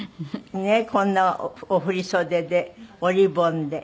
こんなお振り袖でおリボンで。